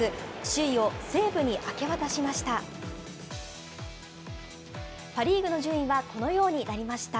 首位を西武に明け渡しました。